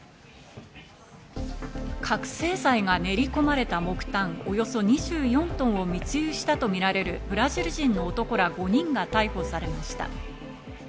覚醒剤が練り込まれた木炭、およそ２４トンを密輸したとみられるブラジル人の男ら５人が逮捕されました。